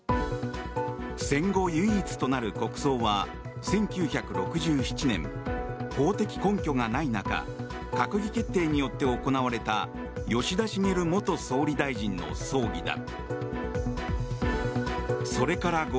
戦後唯一となる国葬は１９６７年、法的根拠がない中閣議決定によって行われた吉田茂元総理大臣の葬儀だ。